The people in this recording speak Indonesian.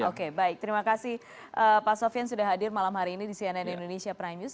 oke baik terima kasih pak sofian sudah hadir malam hari ini di cnn indonesia prime news